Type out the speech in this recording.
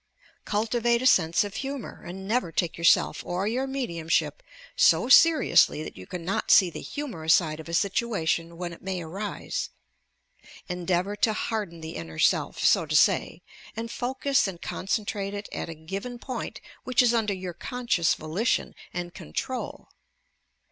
Cultivate a sense of humour, and never take yourself or your mediumship so seriously that you cannot see the humorous side of a situation when it may arise. En deavour to harden the inner self, so to say, and focus and OBSESSION AND INSANITY 209 concentrate it at a given point which is under your con scious volition and control.